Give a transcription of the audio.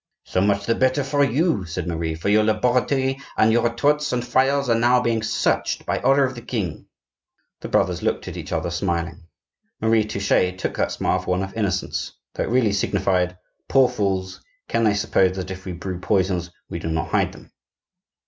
"So much the better for you," said Marie, "for your laboratory, and your retorts and phials are now being searched by order of the king." The brothers looked at each other smiling. Marie Touchet took that smile for one of innocence, though it really signified: "Poor fools! can they suppose that if we brew poisons, we do not hide them?"